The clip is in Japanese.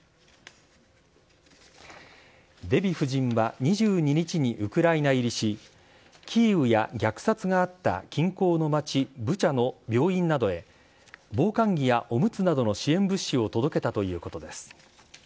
デヴィ夫人は２２日にウクライナ入りし、キーウや虐殺があった近郊の町ブチャの病院などへ、防寒着やおむつなどの支援物資を届けたということです。